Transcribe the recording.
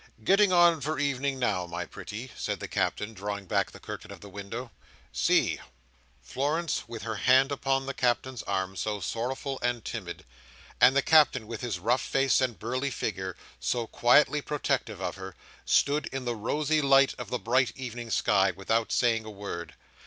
"Getting on for evening now, my pretty," said the Captain, drawing back the curtain of the window. "See!" Florence, with her hand upon the Captain's arm, so sorrowful and timid, and the Captain with his rough face and burly figure, so quietly protective of her, stood in the rosy light of the bright evening sky, without saying a word.